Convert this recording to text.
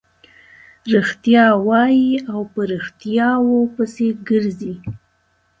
رښتیا وايي او په ريښتیاوو پسې ګرځي.